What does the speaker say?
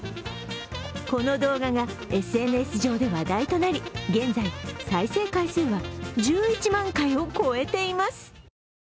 この動画がＳＮＳ上で話題となり現在再生回数は１１万回を超えています。